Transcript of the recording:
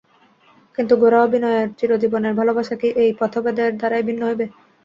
কিন্তু গোরা ও বিনয়ের চিরজীবনের ভালোবাসা কি এই পথভেদের দ্বারাই ভিন্ন হইবে?